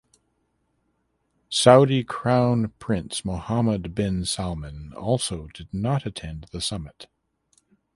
Saudi crown prince Mohammed bin Salman also did not attend the summit.